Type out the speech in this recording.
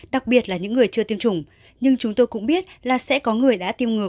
đặc biệt là những người chưa tiêm chủng nhưng chúng tôi cũng biết là sẽ có người đã tiêm ngừa